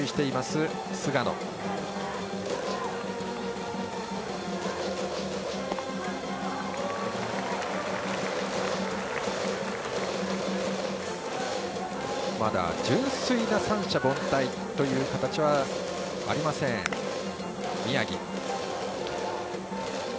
まだ純粋な三者凡退という形はありません、宮城。